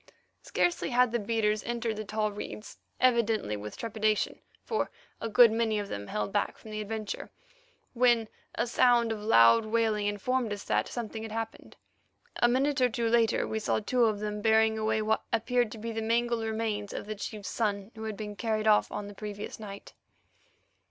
Scarcely had the beaters entered the tall reeds, evidently with trepidation, for a good many of them held back from the adventure, when a sound of loud wailing informed us that something had happened. A minute or two later we saw two of them bearing away what appeared to be the mangled remains of the chief's son who had been carried off on the previous night.